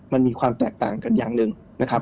มันมีความแตกต่างกันอย่างหนึ่งนะครับ